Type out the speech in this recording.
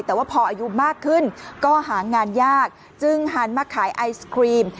แต่ว่าพออายุมากขึ้นก็หางานยากจึงหันมาขายไอศครีม